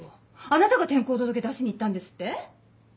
あなたが転校届出しに行ったんですって？